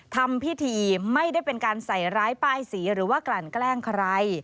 ทำพิธีไม่ได้เป็นการใส่ร้ายป้ายสีหรือว่ากลั่นแกล้งใคร